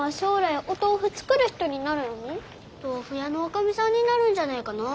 豆腐屋のおかみさんになるんじゃねえかなあ。